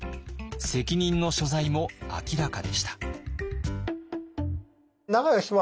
責任の所在も明らかでした。